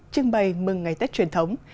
trưng bày mừng ngày tết truyền thống